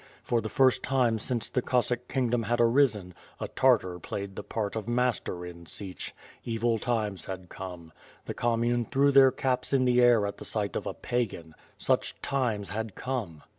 For the first time since the Cossack kingdom had arisen, a Tartar played the part of master in Sich, evil times had come. The commune threw their caps in the air at the sight of a Pagan — such times had come!